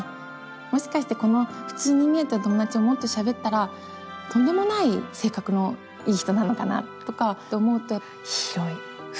もしかしてこの普通に見えた友だちももっとしゃべったらとんでもない性格のいい人なのかなとかって思うと広い深いって思えます。